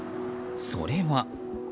それは。